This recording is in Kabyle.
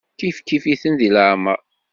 Kifkif-itent di leɛmeṛ.